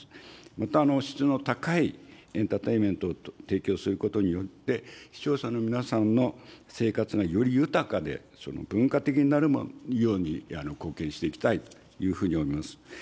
また、質の高いエンターテインメントを提供することによって、視聴者の皆さんの生活がより豊かで、文化的になるように貢献していきたいというふうに思います。